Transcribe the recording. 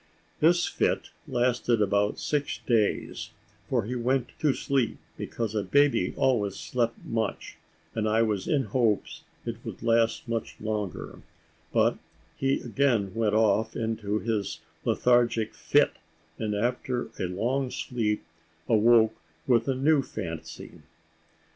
This fit lasted about six days; for he went to sleep, because a baby always slept much; and I was in hopes it would last much longer: but he again went off into his lethargic fit, and after a long sleep awoke with a new fancy.